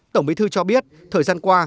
tổng bí thư cho biết thời gian qua